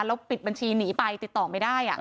แล้วปิดบัญชีหนีไปติดต่อไม่ได้